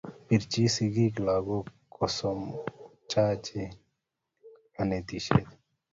Pirchini sikiik lakok kosomchanchi kanetishet